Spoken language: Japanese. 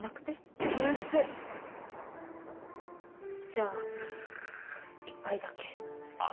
じゃあ一杯だけ。